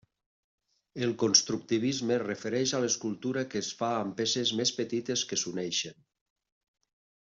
El constructivisme es refereix a l'escultura que es fa amb peces més petites que s'uneixen.